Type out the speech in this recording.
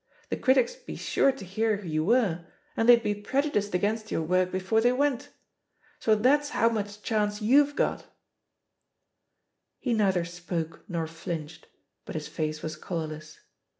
The critics 'd be sure to hear who you were^ and they'd be prejudiced against your work be fore they went. ••^ So that's how much chance you've got 1" He neither spoke nor flinched, but his face was colourless.